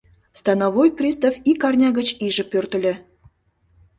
Становой пристав ик арня гыч иже пӧртыльӧ.